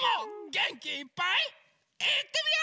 げんきいっぱいいってみよ！